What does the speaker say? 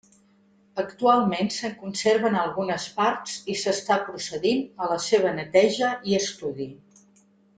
Actualment se'n conserven algunes parts i s'està procedint a la seva neteja i estudi.